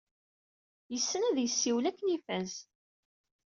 Yessen ad yessiwel akken ifaz.